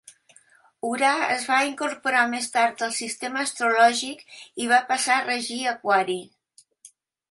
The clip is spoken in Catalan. Urà es va incorporar més tard al sistema astrològic i va passar a regir Aquari.